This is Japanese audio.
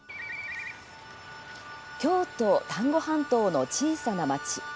京都、丹後半島の小さな町。